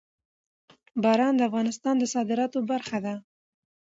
باران د افغانستان د صادراتو برخه ده.